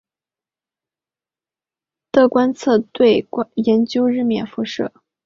的观测队研究日冕辐射。